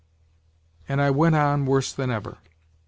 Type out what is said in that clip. ' and I went on worse than ever.